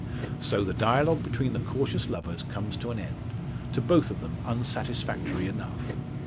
So the dialogue between the cautious lovers comes to an end to both of them unsatisfactory enough.